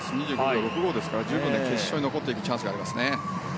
２５秒６５ですから、決勝に残っていくチャンスはあります。